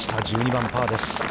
１２番、パーです。